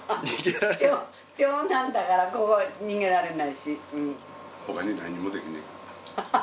長男だからここ逃げられないし。